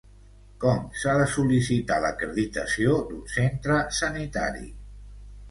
Com s'ha de sol·licitar l'acreditació d'un centre sanitari?